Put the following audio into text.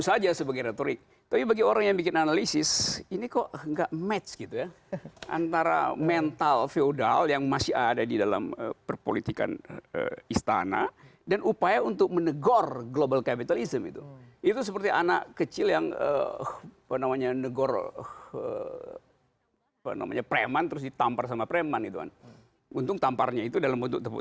seneng bugi buat banyak orang dan lain lain tapi dalam konteks masyarakat meninggi akanouch